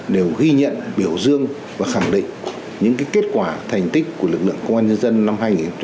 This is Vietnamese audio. đều ghi nhận biểu dương và khẳng định những kết quả thành tích của lực lượng công an nhân dân năm hai nghìn hai mươi ba